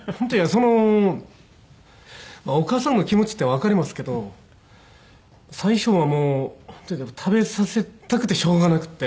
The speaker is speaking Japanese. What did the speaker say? そのお母さんの気持ちってわかりますけど最初はもうとにかく食べさせたくてしょうがなくて。